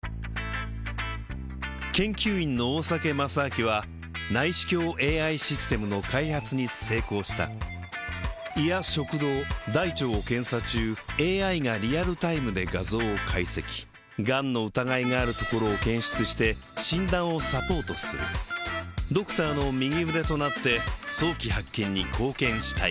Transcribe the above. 研究員の大酒正明は内視鏡ＡＩシステムの開発に成功した胃や食道大腸を検査中ＡＩがリアルタイムで画像を解析がんの疑いがあるところを検出して診断をサポートするドクターの右腕となって早期発見に貢献したい